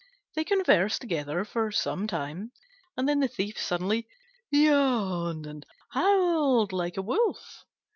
They conversed together for some time, and then the Thief suddenly yawned and howled like a wolf.